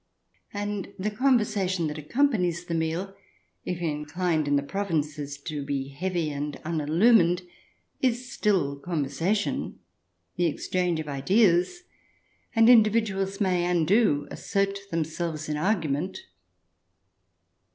And the conversation that accompanies the meal, if inclined in the provinces to be heavy and unillumined, is still conversation, the exchange of ideas and individuals may and do assert them selves in argument.